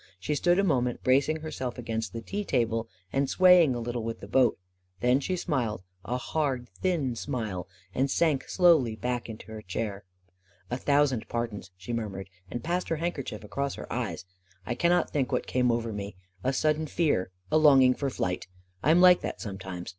She stood a moment bracing herself against the tea table and swaying a little with the boat; then she smiled, a hard, thin smile, and sank slowly back into her chair. 44 A thousand pardons 1 " she murmured, and passed her handkerchief across her eyes. " I can not think what came over me — a sudden fear — a longing for flight I am like that sometimes